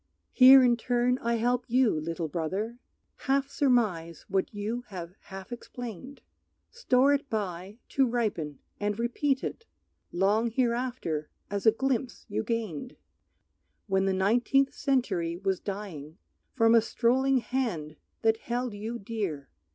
Here in turn I help you, little brother, Half surmise what you have half explained. Store it by to ripen, and repeat it Long hereafter as a glimpse you gained, When the nineteenth century was dying, From a strolling hand that held you dear